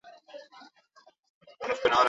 Eleberriak, antzezlana eta olerkiak idatzi ditu.